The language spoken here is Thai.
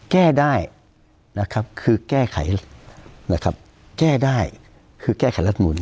แก้ได้ก็แก้ไขลธรรมนุน